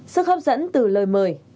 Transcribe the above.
sức hấp dẫn từ lời mời